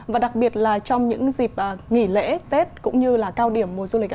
và đặc biệt là trong những dịp nghỉ lễ tết cũng như là cao điểm mùa du lịch ạ